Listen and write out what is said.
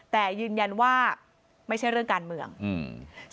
แต่ยืนยันว่าไม่ใช่เรื่องการเมืองอืม